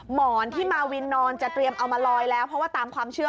หมอนที่มาวินนอนจะเตรียมเอามาลอยแล้วเพราะว่าตามความเชื่อ